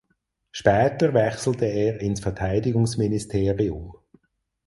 Später wechselte er ins Verteidigungsministerium.